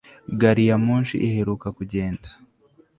Gari ya moshi iheruka kugenda